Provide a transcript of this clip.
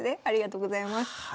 ありがとうございます。